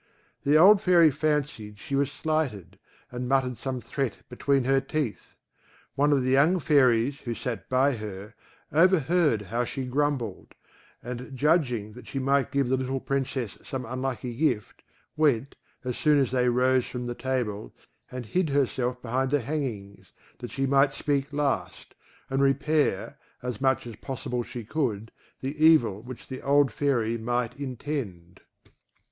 The old Fairy fancied she was slighted, and muttered some threat between her teeth. One of the young Fairies, who sat by her, overheard how she grumbled; and judging that she might give the little Princess some unlucky gift, went, as soon as they rose from the table, and hid herself behind the hangings, that she might speak last, and repair, as much as possible she could, the evil which the old Fairy might intend.